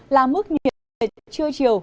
là mức nhiệt độ trưa chiều